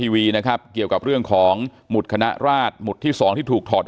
วีนะครับเกี่ยวกับเรื่องของหมุดคณะราชหมุดที่สองที่ถูกถอด